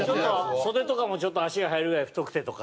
袖とかもちょっと足が入るぐらい太くてとか。